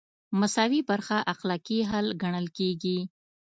مساوي برخه اخلاقي حل ګڼل کیږي.